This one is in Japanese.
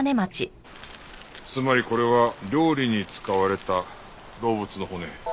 つまりこれは料理に使われた動物の骨。